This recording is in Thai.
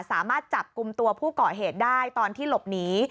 สามารถจับกลุ่มตัวผู้เกาะเหตุได้ตอนที่หลบหนี